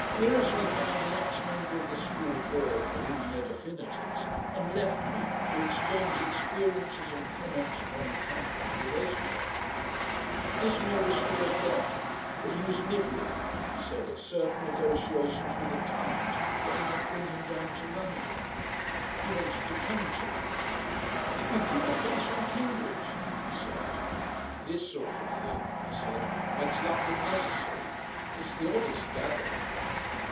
Willersley found an ex member of the School Board for whom he had affinities, and left me to exchange experiences and comments upon the company with Esmeer. Esmeer was still a don; but he was nibbling, he said, at certain negotiations with the TIMES that might bring him down to London. He wanted to come to London. "We peep at things from Cambridge," he said. "This sort of thing," I said, "makes London necessary. It's the oddest gathering."